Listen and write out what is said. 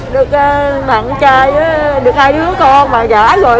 được bạn trai được hai đứa con mà giả rồi